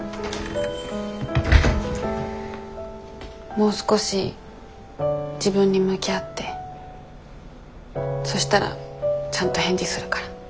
もう少し自分に向き合ってそしたらちゃんと返事するから。